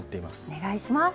お願いします。